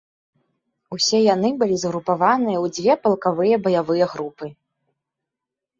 Усе яны былі згрупаваныя ў дзве палкавыя баявыя групы.